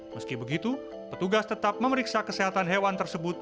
meski begitu petugas tetap memeriksa kesehatan hewan tersebut